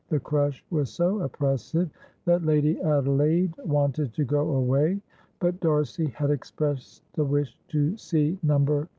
The crush was so oppressive that Lady Adelaide wanted to go away, but D'Arcy had expressed a wish to see No.